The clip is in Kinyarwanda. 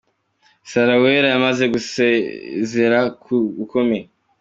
Sarah Uwera yamaze gusezera ku bukumi.